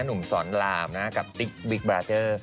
หนุ่มสอนรามกับติ๊กบิ๊กบราเตอร์